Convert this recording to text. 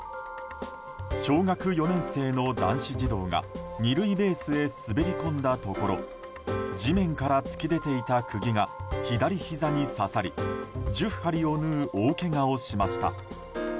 小学４年生の男子児童が２塁ベースへ滑り込んだところ地面から突き出ていた釘が左ひざに刺さり１０針を縫う大けがをしました。